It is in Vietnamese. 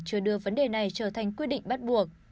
chưa đưa vấn đề này trở thành quyết định bắt buộc